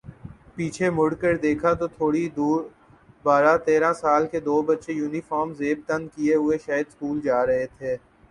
پیچھے مڑ کر دیکھا تو تھوڑی دوربارہ تیرہ سال کے دو بچے یونیفارم زیب تن کئے ہوئے شاید سکول جارہے تھے